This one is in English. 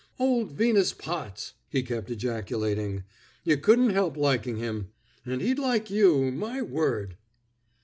"Old Venus Potts!" he kept ejaculating. "You couldn't help liking him. And he'd like you, my word!"